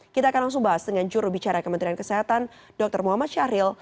kita akan langsung bahas dengan jurubicara kementerian kesehatan dr muhammad syahril